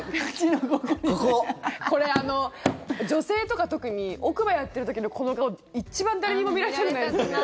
女性とか特に奥歯やってる時のこの顔一番誰にも見られたくないですね。